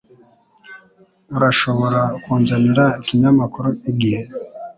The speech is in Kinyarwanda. Urashobora kunzanira ikinyamakuru Igihe?